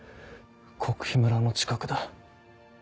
黒卑村の近くだ。